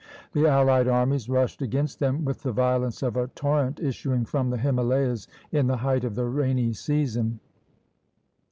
The allied armies rushed against them with the violence of a torrent issuing from the Himalayas in the height of the rainy season.